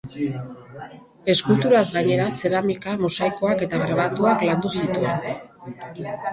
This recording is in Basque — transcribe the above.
Eskulturaz gainera, zeramika, mosaikoak eta grabatuak landu zituen.